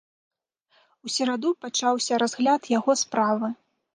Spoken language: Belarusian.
У сераду пачаўся разгляд яго справы.